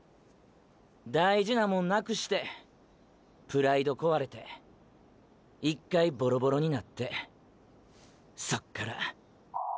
大事なモン失くしてプライドこわれて１回ボロボロになってそっから。